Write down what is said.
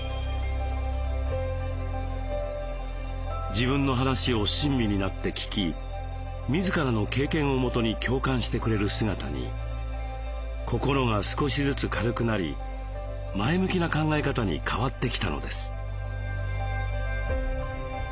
自分の話を親身になって聞き自らの経験をもとに共感してくれる姿に心が少しずつ軽くなり前向きな考え方に変わってきたのです。